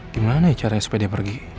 gimana caranya supaya dia pergi